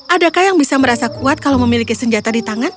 adakah yang bisa merasa kuat kalau memiliki senjata di tangan